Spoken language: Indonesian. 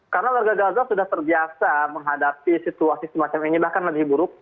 karena warga gaza sudah terbiasa menghadapi situasi semacam ini bahkan lebih buruk